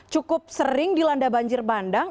cukup sering dilanda banjir bandang